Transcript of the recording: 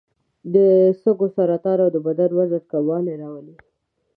د سږو سرطان او د بدن وزن کموالی راولي.